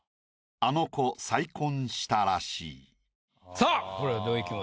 さぁこれどういう気持ち？